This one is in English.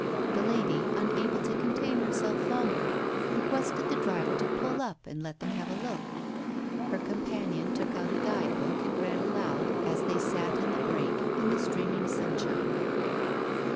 The lady unable to contain herself longer, requested the driver to pull up and let them have a look. Her companion took out a guide book and read aloud, as they sat in the break in the streaming sunshine.